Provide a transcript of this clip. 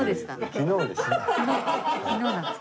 昨日です。